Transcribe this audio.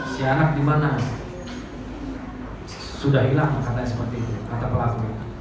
si anak di mana sudah hilang katanya seperti kata pelaku